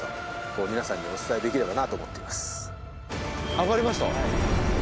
上がりました？